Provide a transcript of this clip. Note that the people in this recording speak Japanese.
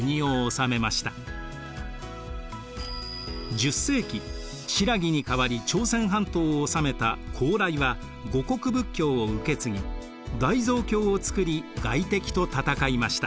１０世紀新羅に代わり朝鮮半島を治めた高麗は護国仏教を受けつぎ大蔵経をつくり外敵と戦いました。